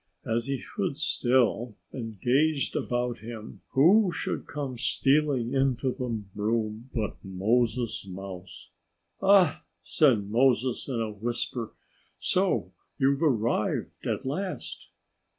As he stood still and gazed about him, who should come stealing into the room but Moses Mouse. "Ah!" said Moses in a whisper. "So you've arrived at last?"